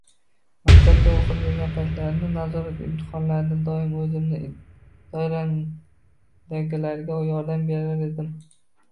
Maktabda o‘qib yurgan paytlarimda, nazorat imtihonlarda doim o‘zimni doiramdagilarga yordam berar edim.